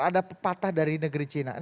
ada pepatah dari negeri china